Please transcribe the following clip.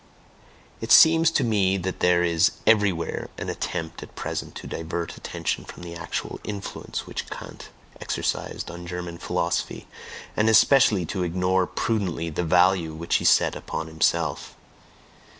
It seems to me that there is everywhere an attempt at present to divert attention from the actual influence which Kant exercised on German philosophy, and especially to ignore prudently the value which he set upon himself.